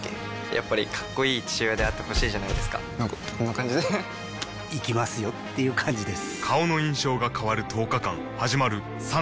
やっぱりかっこいい父親であってほしいじゃないですかなんかこんな感じで行きますよっていう感じです